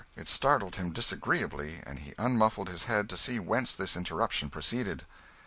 It startled him disagreeably, and he unmuffled his head to see whence this interruption proceeded.